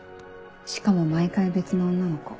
しかも毎回別の女の子。